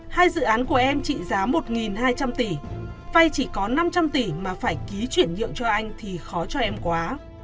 hai dự án của em trị giá một hai trăm linh tỷ vay chỉ có năm trăm linh tỷ mà phải ký chuyển nhượng cho anh thì khó cho em quá